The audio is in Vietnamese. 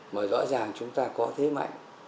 mà rõ ràng chúng ta có thế mạnh